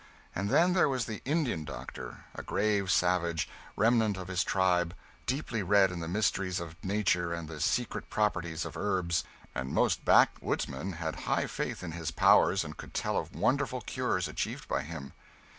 And then there was the "Indian doctor"; a grave savage, remnant of his tribe, deeply read in the mysteries of nature and the secret properties of herbs; and most backwoodsmen had high faith in his powers and could tell of wonderful cures achieved by him.